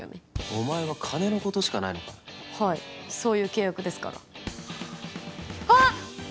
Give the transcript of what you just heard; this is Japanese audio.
お前は金のことしかないのかはいそういう契約ですからはああっ！